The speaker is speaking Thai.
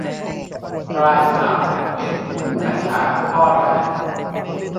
ปลาฉลาม ผัดเผ็ด หรือผัดฉ่าก็อร่อยนะ